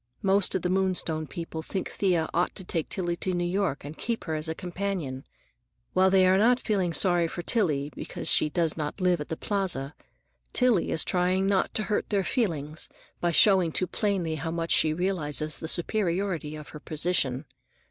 Most of the Moonstone people think Thea ought to take Tillie to New York and keep her as a companion. While they are feeling sorry for Tillie because she does not live at the Plaza, Tillie is trying not to hurt their feelings by showing too plainly how much she realizes the superiority of her position.